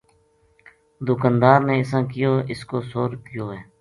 دُکاندار نے اِساں کہیو اِس کو سو رُپیو ہے